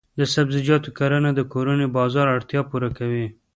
د سبزیجاتو کرنه د کورني بازار اړتیا پوره کوي.